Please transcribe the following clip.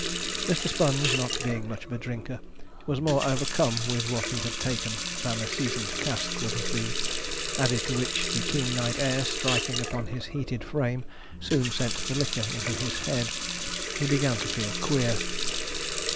Mr. Sponge, not being much of a drinker, was more overcome with what he had taken than a seasoned cask would have been; added to which the keen night air striking upon his heated frame soon sent the liquor into his head. He began to feel queer.